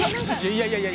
いやいやいや。